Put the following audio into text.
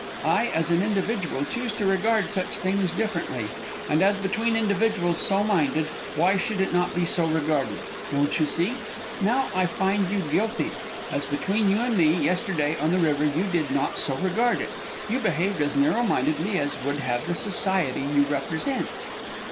I, as an individual, choose to regard such things differently. And as between individuals so minded, why should it not be so regarded? Don't you see? Now I find you guilty. As between you and me, yesterday, on the river, you did not so regard it. You behaved as narrow mindedly as would have the society you represent."